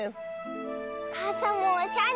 かさもおしゃれ！